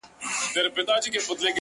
o ځوان پر لمانځه ولاړ دی؛